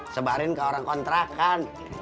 sebarin ke orang kontrakan